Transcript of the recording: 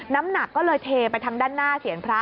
น้ำหนักก็เลยเทไปทางด้านหน้าเซียนพระ